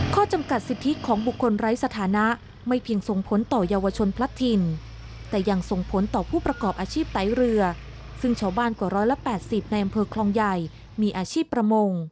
ข้อจำกัดสิทธิของบุคคลไร้สถานะไม่เพียงส่งผลต่อเยาวชนพลัดถิ่นแต่ยังส่งผลต่อผู้ประกอบอาชีพไต้เรือซึ่งชาวบ้านกว่า๑๘๐ในอำเภอคลองใหญ่มีอาชีพประมง